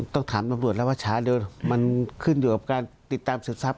ต้องถามตำรวจแล้วว่าช้าเดี๋ยวมันขึ้นอยู่กับการติดตามสุดทรัพย